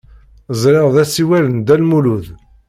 Ẓriɣ d asiwel n Dda Lmulud.